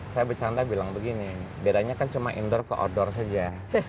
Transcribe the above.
saya bercanda bilang begini bedanya kan cuma indoor ke outdoor saja